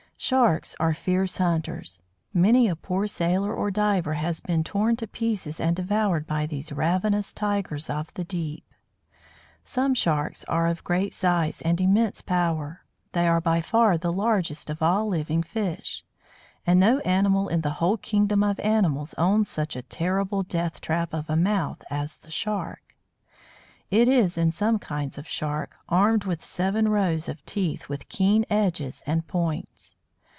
Sharks are fierce hunters. Many a poor sailor or diver has been torn to pieces and devoured by these ravenous tigers of the deep. Some Sharks are of great size and immense power; they are by far the largest of all living fish; and no animal in the whole kingdom of animals owns such a terrible death trap of a mouth as the Shark. It is, in some kinds of Shark, armed with seven rows of teeth with keen edges and points!